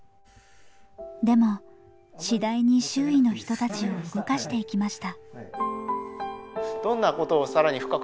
でも次第に周囲の人たちを動かしていきました。